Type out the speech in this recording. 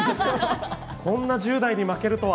こんな１０代に負けるとは！